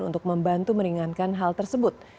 untuk membantu meringankan hal tersebut